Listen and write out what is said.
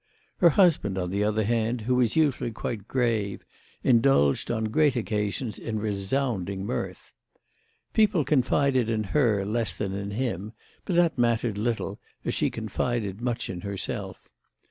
Her husband, on the other hand, who was usually quite grave, indulged on great occasions in resounding mirth. People confided in her less than in him, but that mattered little, as she confided much in herself.